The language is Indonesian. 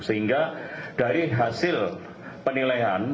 sehingga dari hasil penilaian